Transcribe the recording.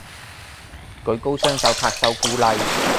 舉高雙手拍手鼓勵